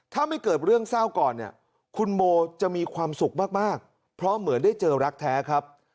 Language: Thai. ถ้าไม่เกิดเรื่องเศร้าก่อนเนี่ยคุณโมจะมีความสุขมากเพราะเหมือนได้เจอรักแท้ครับ